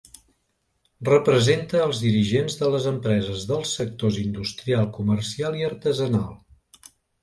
Representa els dirigents de les empreses dels sectors industrial, comercial i artesanal.